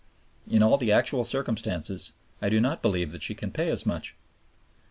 In all the actual circumstances, I do not believe that she can pay as much.